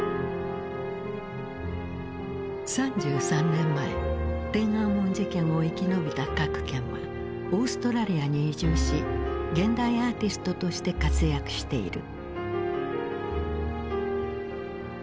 ３３年前天安門事件を生き延びた郭健はオーストラリアに移住し現代アーティストとして活躍している。